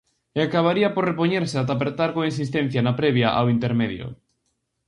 E acabaría por repoñerse ata apertar con insistencia na previa ao intermedio.